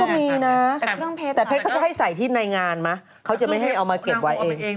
ก็มีนะแต่เพชรเขาจะให้ใส่ที่ในงานไหมเขาจะไม่ให้เอามาเก็บไว้เอง